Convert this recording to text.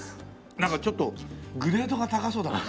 なんかちょっとグレードが高そうだもんな。